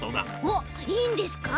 おっいいんですか？